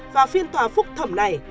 và phiên tòa phúc thẩm này